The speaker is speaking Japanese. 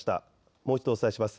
もう一度お伝えします。